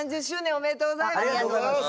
ありがとうございます。